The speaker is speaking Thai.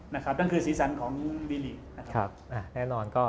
นั่นคือสีสันของบีลีก